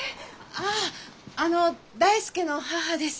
あああの大介の母です。